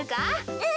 うん。